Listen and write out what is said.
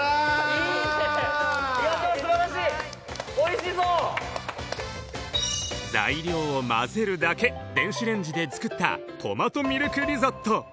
いいねいやでもすばらしい材料をまぜるだけ電子レンジで作ったトマトミルクリゾット